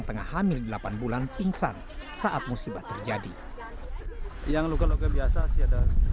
posisi saya waktu itu saya kerja di teluk nara lah